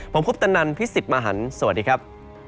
ผมพบตนันพิสิตมาหันสวัสดีครับ